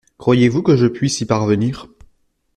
Croyez-vous que je puisse y parvenir ?